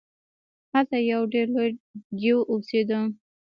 هلته یو ډیر لوی دیو اوسیده.